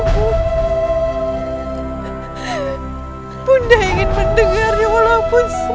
aku akan mengizinkanmu untuk mengunjungi makam putramu